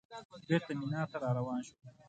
بېرته مینا ته راروان شوو.